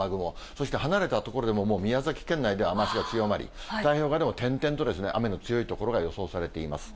そして離れた所でももう宮崎県内では雨足が強まり、太平洋側でも点々と雨の強い所が予想されています。